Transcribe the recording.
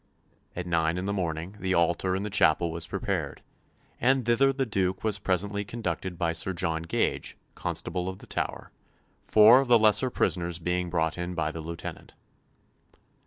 At nine in the morning the altar in the chapel was prepared; and thither the Duke was presently conducted by Sir John Gage, Constable of the Tower, four of the lesser prisoners being brought in by the Lieutenant.